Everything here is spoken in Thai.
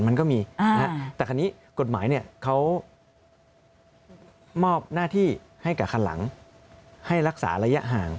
มันก็มีแต่คราวนี้กฎหมายเขามอบหน้าที่ให้กับคันหลังให้รักษาระยะห่าง